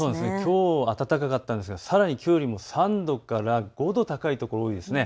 きょうは暖かかったんですがさらにきょうより３度から５度高いところが多いです。